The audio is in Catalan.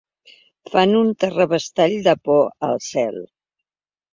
Fan uns terrabastalls de por, al cel.